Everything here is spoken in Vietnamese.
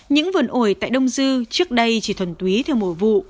những vườn ủi tại đông dư trước đây chỉ thuần túy theo mùa vụ